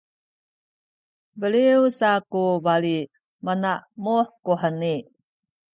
beliw sa ku bali manamuh kuheni